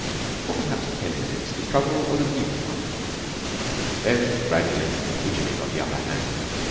For perhaps ten minutes the struggle was an even one, then gradually Widgery got the upper hand.